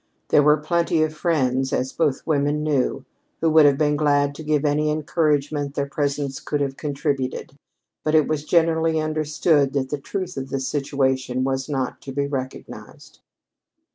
There were plenty of friends, as both women knew, who would have been glad to give any encouragement their presence could have contributed, but it was generally understood that the truth of the situation was not to be recognized.